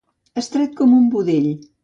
Estret com un budell.